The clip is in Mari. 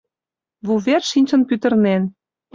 Вувер шинчын пӱтырнен...